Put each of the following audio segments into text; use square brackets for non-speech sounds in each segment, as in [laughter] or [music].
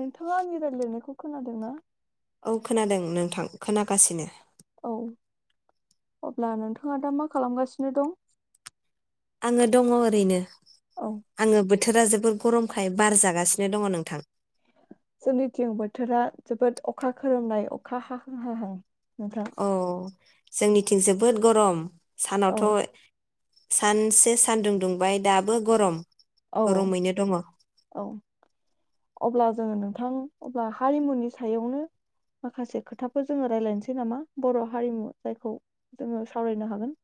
नोंथाङा आंनि रायज्लयनायखौ खोनादों ना? औ खोनादों नोंथां खोनागासिनो। औ अब्ला नोंथाङा दा मा खालामगासिनो दं? आङो दङ ओरैनो। औ आङो बोथ थोरा जोबोर गरमखाय बार जागासिनो दङ नोंथां। जोंनिथिं बोथोरा जोबोद अखा खोरोमनाय अखा हाहां हाहां नोंथां औ जोंनिथिं जोबोद गरम। औ सानावथ' सानसे सानदुं दुंबाय दाबो गरम। औ गरमैनो दङ औ अब्ला जोङो नोंथा थां अब्ला हारिमुनि सायावनो माखासे खोथाफोर जोङो रायज्लायनसै नामा? बर' हारिमु जायखौ जोङो सावरायनो हागोन।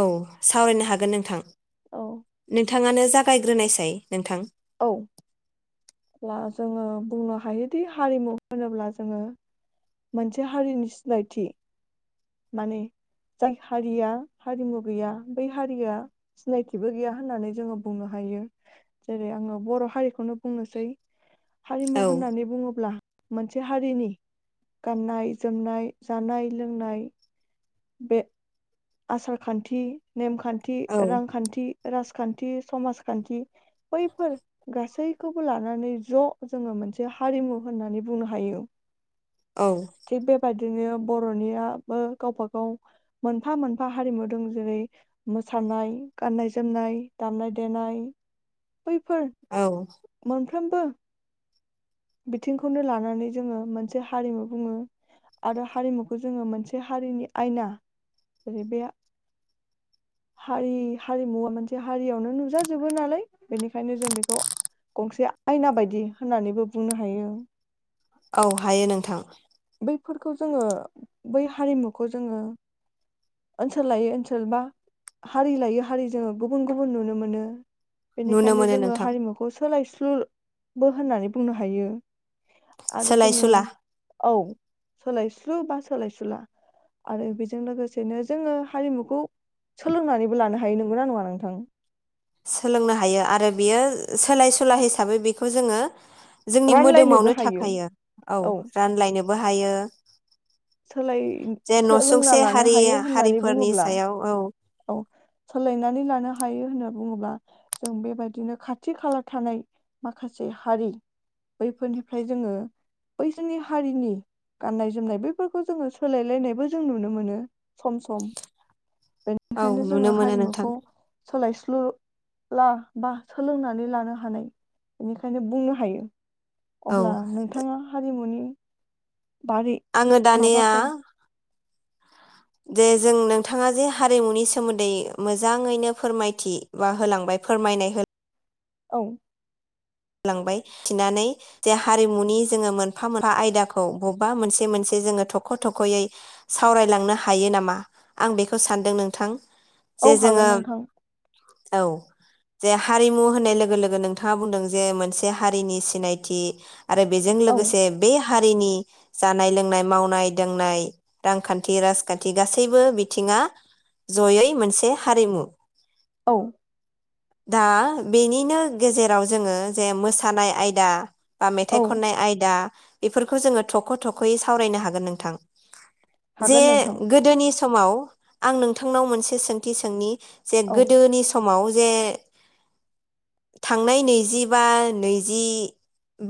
औ सावरायनो हागोन नोंथां। औ नोंथाङानो जाग गायग्रोनायसाय नोंथां। औ ब्ला जोङो बुंनो हायोदि हारिमु होनोब्ला जोङो मोनसे हारिनि सिनायथि माने जाय हारिया हारिमु गैया बै हारिया सिनायथिबो गैया होननानै जोङो बुंनो हायो। जेरै आङो बर' हारिखौनो बुंनोसै हारिमु औ होननानै बुङोब्ला मोनसे हारिनि गाननाय जोमनाय जानाय लोंनाय बे आसारखान्थि नेमखान थि औ रांखान्थि राजखान्थि समाजखान्थि बैफोर गासै खौबो लानानै ज' जोङो मोनसे हारिमु होननानै बुंनो हायौ। औ थिग बेबाद दिनो बर'नियाबो गावबा गाव मोनफा मोनफा हारिमु दं। जेरै- मोसानाय, गाननाय-जोमनाय, दामनाय-देनाय, बैफोर औ मोन फ्रोमबो बिथिंखौनो लानानै जोङो मोनसे हारिमु बुङो आरो हारिमुखौ जोङो मोनसे हारिनि आयना जेरै बे हारि हारिमुवा मोनसे हारियावनो नुजाजोबो नालाय बेनिखायनो जों बेखौ गंसे आयना बायदि होननानैबो बुंनो हायो। औ हायो नोंथां। बैफोरखौ जोङो बै हारिमुखौ जोङो ओनसोल लायै ओनसोल बा हारि लायै हारि जोङो गुबुन गुबुन नुनो मोनो। नुनो बेनिखायनो मोनो जोङो नोंथां हारिमुखौ सोलायस्लु बो होननानै बुंनो हायो। आरो सोलाय जोङो सुला औ सोलायस्लु बा सोलायसुला आरो बेजों लोगोसेनो जोङो हारिमुखौ सोलोंनानैबो लानो हायो। नंगौना नङा नोंथां? सोलोंनो हायो आरो बियो सोलाय सुला हिसाबै बेखौ जोङो जोंनि रानलायनोबो मोदोमावनो हायो थाखायो औ रानलायनो बो हायो। सोलाय जे सोलोंना न'सुंसे लानो हारि हायो होननानै हारिफोरनि बुङोब्ला सायाव औ औ सोलायनानै लानो हायो होनना बुङोब्ला जों बेबायदिनो खाथि खाला थानाय माखासे हारि बैफोरनिफ्राय जोङो बैसोरनि हारिनि गाननाय जोमनाय बैफोरखौ जोङो सोलायलायनायबो जों नुनो मोनो सम सम। औ बेंखायनो नुनो जोङो मोनो नोंथां हारिमुखौ सोलायस्लु ला बा सोलोंनानै लानो हानाय बेनिखायनो बुंनो हायो। औ अब्ला नोंथाङा हारिमुनि बारै आङो दानिया माबाफोर जे जों नोंथाङा जे हारिमुनि सोमोन्दै मोजाङैनो फोरमायथि बा होलांबाय फोरमायनाय हो औ लांबाय थिनानै जे हारिमुनि जोङो मोनफा मोनफा आयदाखौ बबबा मोनसे मोनसे जोङो थख' थख'यै सावरायलांनो हायो नामा आं बेखौ सानदों नोंथां। औ जे हागोन जोङो नोंथां। औ जे हारिमु होननाय लोगो लोगो नोंथाङा बुंदों जे मोनसे हारिनि सिनायथि आरो बेजों औ लोगोसे बे हारिनि जानाय लोंनाय मावनाय दांनाय रांखान्थि राजखान्थि गासैबो बिथिङा जयै मोनसे हारिमु। औ दा बेनिनो गेजेराव जोङो जे मोसानाय आयदा बा औ मेथाइ खननाय आयदा बेफोरखौ जोङो थख' थख'यै सावरायनो हागोन नोंथां। जे हागोन नोंथां गोदोनि समाव आं नोंथांनाव मोनसे सोंथि सोंनि जे औ गोदोनि समाव जे थांनाय नैजिबा नैजि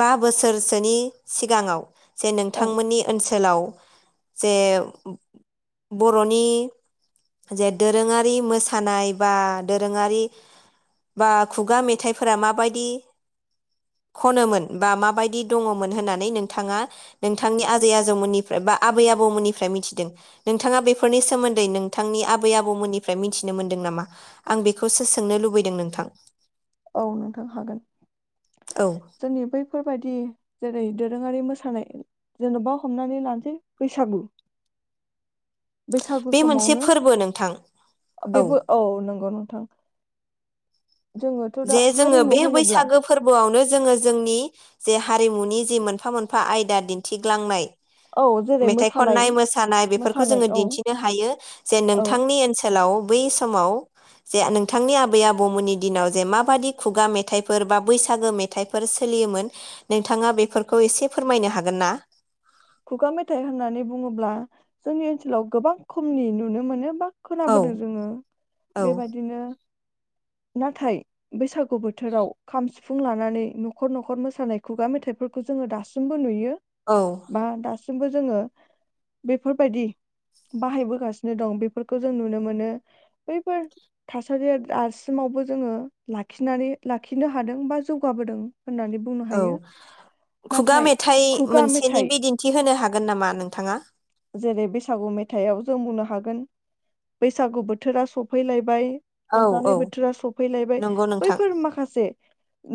बा बोसोरसोनि सिगाङाव जे औ नोंथांमोननि ओनसो सोलाव जे बर'नि जे दोरोङारि मोसानाय बा दोरोङारि बा खुगा मेथाइफोरा माबायदि खनोमोन बा माबायदि दङमोन होननानै नोंथाङा नोंथांनि आजै आजौमोननिफ्राय बा आबै आबौमोननिफ्राय मिथिदों नोंथाङा बेफोरनि सोमोन्दै नोंथांनि आबै आबौमोननिफ्राय मिथिनो मोनदों नामा? आं बेखौसो सोंनो लुबै दों नोंथां। औ नोंथां हागोन औ जोंनि बैफोरबायदि जेरै दोर रोङारि मोसानाय जेन'बा हमनानै लानसै बैसागु। बैसागु बे मोनसे समावनो फोरबो नोंथां बेबो औ नंगौ नोंथां। ज जे जोङो बे बैसागो फोरबोआवनो जोङो जोंनि जे हारिमुनि जे मोनफा मोनफा आयदा दिन्थिग्लांनाय औ जेरै मेथाइ मोसानाय खननाय मोसानाय बेफोरखौ मोसानाय जोङो औ दिन्थिनो हायो जे औ नोंथांनि ओनसोलाव बै समाव जे नोंथांनि आबै आबौमोननि दिनाव जे माबादि खुगा मेथाइफोर बा बैसागो मेथाइफोर सोलियोमोन नोंथाङा बेफोरखौ एसे फोरमायनो हागोन ना? खुगा मेथाइ होननानै बुङोब्ला जोंनि ओनसोलाव गोबां खमनि नुनो मोनो बा औ खोनाबोदों जोङो औ बेबादिनो नाथाय बैसागु बोथोराव खाम सिफुं लानानै न'खर न'खर मोसानाय खुगा मेथाइफोरखौ जोङो दासिमबो नुयो। औ बा दासिमबो जोङो बेफोरबायदि बाहायबोगासिनो दं बेफोरखौ जों नुनो मोनो बैफोर थासारिया दासिमावबो जोङो लाखिनानै लाखिनो हादों बा जौगाबोदों होननानै बुंनो औ हायो खुगा नाथाय मेथाइ खुगा मोनसेनि मेथाइ बिदिन थिहोनो हागोन नामा नोंथाङा? जेरै बैसागु मेथाइआव जों बुंनो हागोन बैसागु बोथोरा सफैलायबाय औ रंजानाय औ बोथोरा सफैलायबाय नंगौ नोंथां बैफोर माखासे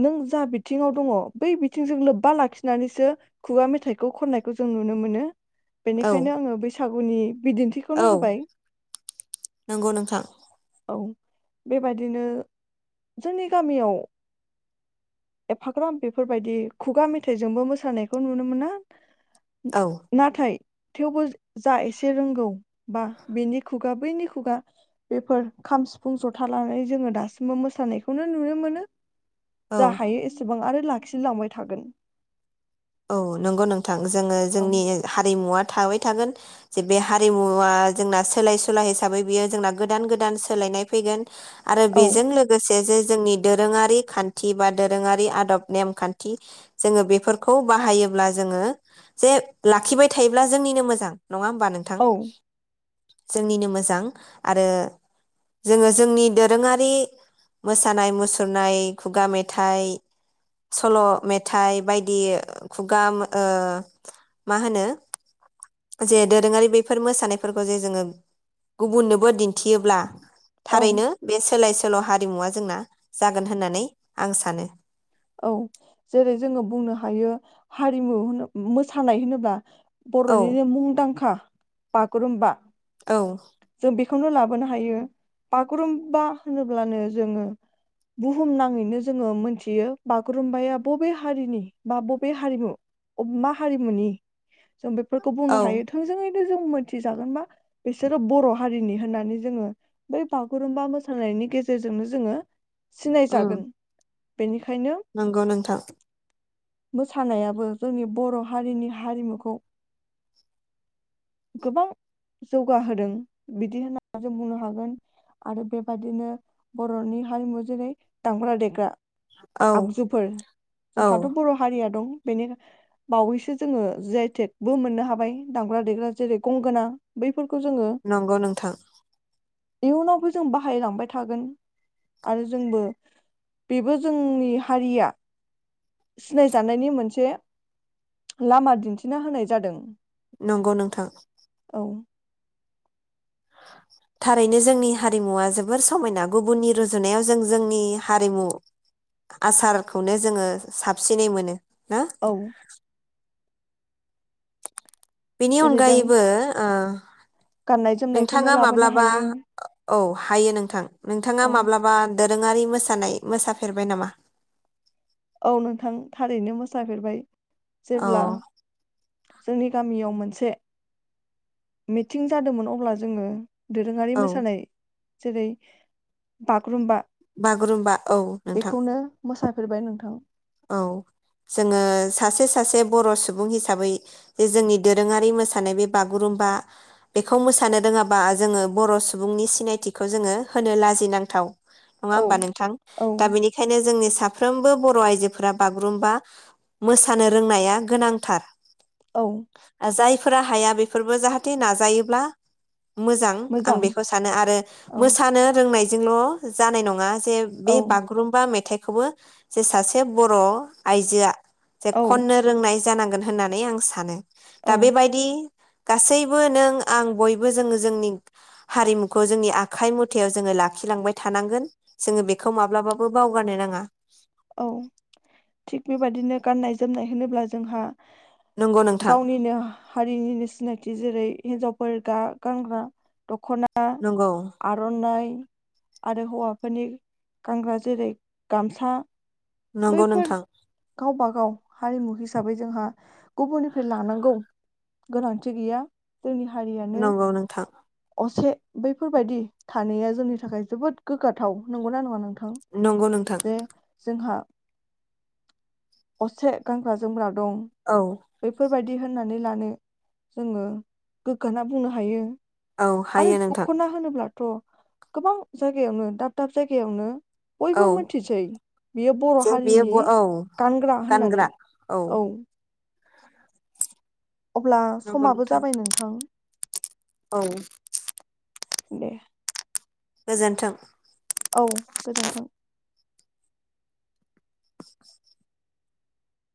नों जा बि थिङाव दङ बै बिथिंजों लोब्बा लाखिनानैसो खुगा मेथाइ खौ खननायखौ जों नुनो मोनो। औ बेनिखायनो आङो बैसा सागुनि बिदिन्थिखौनो औ होबाय नंगौ नोंथां औ। बेबादिनो जोंनि गामियाव एफाग्राम बेफोरबायदि खुगा मेथाइजोंबो मोसानायखौ नुनो मोना। औ नाथाय थेवबो जा एसे रोंगौ बा बेनि खुगा बैनि खुगा बेफोर खाम सिफुं जथा लानानै जोङो दासिमबो मोसानायखौनो नुनो मोनो। जा औ हायो एसेबां आरो ला खि लांबाय थागोन। औ नोंगौ नोंथा थां जोङो औ जोंनि हारिमुवा थाबाय थागोन जे बे हारिमुवा जोंना सोलाय सुला हिसाबै बियो जोंना गोदान गोदान सोलायनाय फैगोन। आरो औ बेजों लोगोसे जे जोंनि दोरोङारि खान्थि बा दोरोङारि आदब नेमखान्थि जोङो बेफोर खौ बाहायोब्ला जोङो जे लाखिबाय थायोब्ला जोंनिनो मोजां। नङा होमबा नोंथां? औ जोंनिनो मोजां आरो जोङो जोंनि दोरोङारि मोसानाय मुसुरनाय खुगा मेथाइ सल' मेथाइ बाय दि खुगा ओ मा होनो जे दोरोङारि बेफोर मोसानायफोरखौ जे जोङो गुबुननोबो दिन थियोब्ला औ थारैनो बे सोलाय सोल' हारिमुवा जोंना जागोन होननानै आं सानो। औ जेरै जोङो बुंनो हायो हारिमु होनो मोसानाय होनोब्ला औ बर'निनो मुंदांखा बागुरुम्बा औ जों बेखौनो लाबोनो हायो बागुरुम्बा होनोब्लानो जोङो बुहुम नाङैनो जोङो मोनथियो। बागुरुमबाया बबे हारिनि बा बबे हारिमु मा हारिमुनि जों बेफोरखौ औ बुंनो हायो थोंजोङै नो जों मोनथिजागोनबा बिसोरो बर' हारिनि होननानै जोङो बै बागुरुम्बा मोसानायनि गेजेरजोंनो जोङो सिनायजागोन। बेनि नोंगौ नोंथां। मोसानायाबो जोंनि बर' हारिनि हारिमुखौ गोबां जौगाहोदों बिदि होनना जों बुंनो हागोन आरो बेबादिनो बर'नि हारिमु जेरै दामग्रा देग्रा। औ आगजुफोर औ जोंहाथ' बर' हारिया दं। बेनि बावैसो जोङो जि आइ टेग बो मोननो हाबाय दामग्रा देग्रा जेरै गंगोना बै नंगौ नोंथां। इयुनावबो जों बाहायलांबाय थागोन आरो जोंबो बेबो जोंनि हारिया सिनायजानायनि मोनसे लामा दिन्थिना होनाय जादों। नंगौ नोंथां। औ थारैनो जोंनि हारिमुवा जोबोर समायना गुबुननि रुजुनायाव जों जोंनि हारिमु आसारखौनो जोङो साबसिनै मोनो। ना औ बेनि जेरै जों अनगायैबो ओ गाननाय [inaudible] जोमनायखौनो नोंथाङा लाबोनो माब्लाबा हायो औ हायो नोंथां नोथाङा औ माब्लाबा दोरोङारि मोसानाय मोसाफेरबाय नामा? औ नोंथां थारैनो मोसाफेरबाय। जेब्ला औ जोंनि गामियाव मोनसे मिटिं जादोंमोन अब्ला जोङो दोरोङारि औ मोसानाय जेरै बाग्रुम्बा बागुरुम्बा औ नोंथां। फोरबाय नोंथां। औ जोङो सासे सासे बर' सुबुं हिसाबै जे जोंनि दोरोङारि मोसानाय बे बागुरुम्बा बेखौ मोसानो रोङाबा जोङो बर' सुबुंनि सिनायथिखौ जोङो होनो लाजिनांथाव। नङा औ होनबा नोंथां? औ दा बेनिखायनो जोंनि साफ्रोमबो बर' आइजो फोरा बागुरुम्बा मोसानो रोंनाया गोनांथार। औ जायफोरा हाया बेफोरबो जाहाथे नाजायोब्ला मोजां आं बेखौ सानो आरो औ मोसानो रोंनायजोंल' जानाय नङा बे बे औ बागुरुमबा मेथाइ खौबो जे सासे से बर' आइजोआ जे औ खननो रोंनाय जानां गोन होननानै आं सानो। औ दा बेबायदि गासैबो नों आं बयबो जोङो जोंनि हारिमुखौ जोंनि आखाइ मुथायाव जोङो लाखिलांबाय थानांगोन जोङो बेखौ माब्लाबाबो बावगारनो नाङा। औ थिग बेबादिनो गाननाय जोमनाय होनोब्ला जोंहा नंगौ नोंथां गावनिनो हारिनिनो सिनायथि जेरै- हिनजावफोर गा गानग्रा दख'ना आ नंगौ आर'नाइ आरो हौवाफोरनि गानग्रा जेरै गामसा नंगौ बैफोर नोंथां गावबा गाव हारिमु हिसा साबै जोंहा गुबुननिफ्राय लानांगौ गोनांथि गैया। जोंनि हारियानो नंगौ नोंथां असे बैफोरबायदि थानाया जोंनि थाखाय जोबोद गोग्गाथाव नंगौना नङा नोंथा नंगौ नोंथां। असे गानग्रा जोमग्रा दं औ बेफोरबाय दि होननानै लानो जोङो गोग्गाना बुंनो हायो। औ हायो नोंथां। थ' गोबां जायगायावनो दाब दाब जायगायावनो औ बयबो मोथिसै बियो बर' जे हारिनि बेयो औ गानग्रा होननानै औ अब्ला समाबो जाबाय नोंथां। औ दे गोजोन्थों। औ गोजोन्थों। [inaudible]